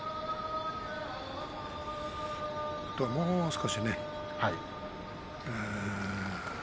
もう少しね。